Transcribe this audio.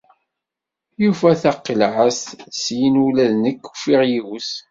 Yufa taqqillaɛt. Syinn ula d nekk ufiɣ yiwet.